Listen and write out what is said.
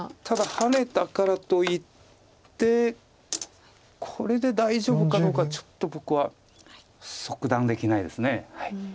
ただハネたからといってこれで大丈夫かどうかちょっと僕は即断できないです。